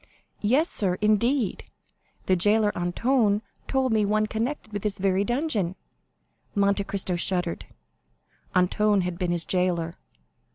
"Yes, sir; indeed, the jailer Antoine told me one connected with this very dungeon." Monte Cristo shuddered; Antoine had been his jailer.